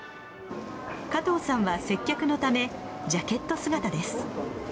加藤さんは接客のためジャケット姿です。